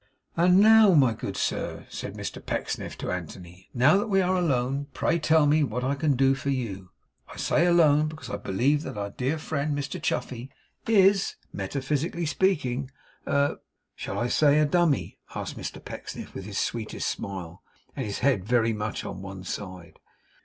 'And now, my good sir,' said Mr Pecksniff to Anthony; 'now that we are alone, pray tell me what I can do for you. I say alone, because I believe that our dear friend Mr Chuffey is, metaphysically speaking, a shall I say a dummy?' asked Mr Pecksniff with his sweetest smile, and his head very much on one side.